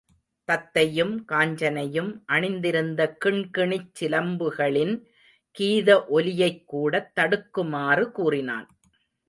தத்தையும் காஞ்சனையும் அணிந்திருந்த கிண்கிணிச் சிலம்புகளின் கீத ஒலியைக் கூடத் தடுக்குமாறு கூறினான்.